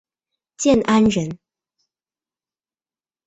建安人。